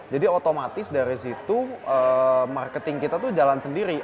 jadi otomatis dari situ marketing kita tuh jalan sendiri